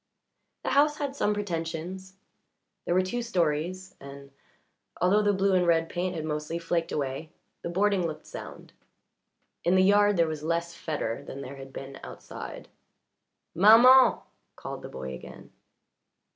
The house had some pretensions; there were two stories, and, although the blue and red paint had mostly flaked away, the boarding looked sound. In the yard there was less fetor than there had been outside. "Maman!" called the boy again.